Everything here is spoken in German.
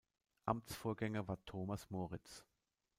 Amtsvorgänger war Thomas Moritz.